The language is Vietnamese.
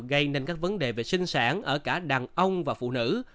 gây nên các vấn đề về sinh sản ở cả đàn ông và phụ nữ